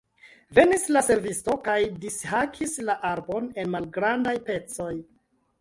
Venis la servisto kaj dishakis la arbon en malgrandajn pecojn.